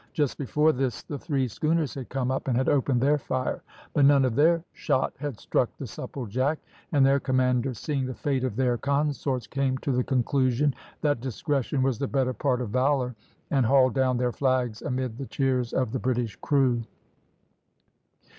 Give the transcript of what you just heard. Just before this the three schooners had come up and had opened their fire, but none of their shot had struck the Supplejack; and their commanders, seeing the fate of their consorts, came to the conclusion that discretion was the better part of valour, and hauled down their flags amid the cheers of the British crew.